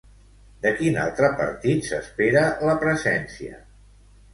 De quin altre partit s'espera la presència?